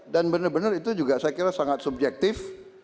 dan benar benar itu juga saya kira sangat subjektif